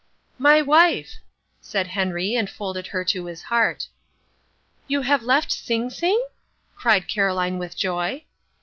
"My wife," said Henry, and folded her to his heart. "You have left Sing Sing?" cried Caroline with joy.